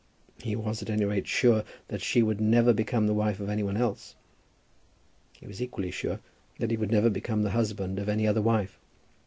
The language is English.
He was, at any rate, sure that she would never become the wife of any one else. He was equally sure that he would never become the husband of any other wife.